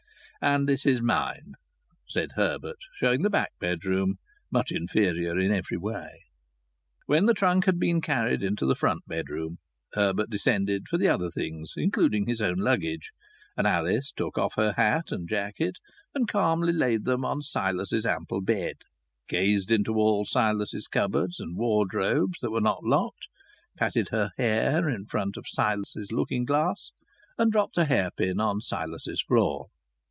"And this is mine," said Herbert, showing the back bedroom, much inferior in every way. When the trunk had been carried into the front bedroom, Herbert descended for the other things, including his own luggage; and Alice took off her hat and jacket and calmly laid them on Silas's ample bed, gazed into all Silas's cupboards and wardrobes that were not locked, patted her hair in front of Silas's looking glass, and dropped a hairpin on Silas's floor.